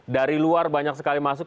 dari luar banyak sekali masuk